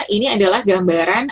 ini adalah gambaran